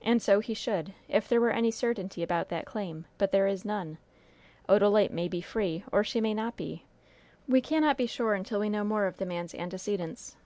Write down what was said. "And so he should, if there were any certainty about that claim; but there is none. Odalite may be free or she may not be. We cannot be sure until we know more of the man's antecedents.